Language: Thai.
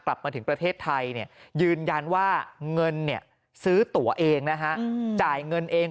กลับมาถึงประเทศไทยยืนยันว่าเงินซื้อตัวเองนะฮะจ่ายเงินเอง